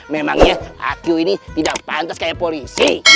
memangnya acu ini tidak pantas kayak polisi